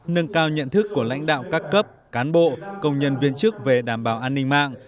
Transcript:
nâng cao nhận thức của lãnh đạo các cấp cán bộ công nhân viên chức về đảm bảo an ninh mạng